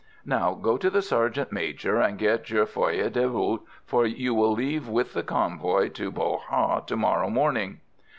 Now go to the sergeant major and get your feuille de route, for you will leave with the convoy to Bo Ha to morrow morning."